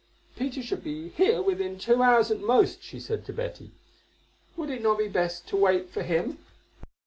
"Peter should be here within two hours at most," she said to Betty. "Would it not be best to wait for him?"